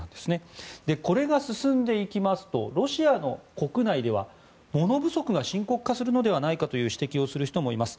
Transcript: これが進んでいきますとロシアの国内では物不足が深刻化するのではないかという指摘をする人もいます。